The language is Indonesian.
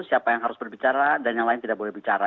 siapa yang harus berbicara dan yang lain tidak boleh bicara